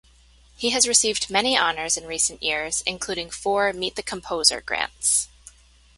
He has received many honors in recent years, including four Meet the Composer grants.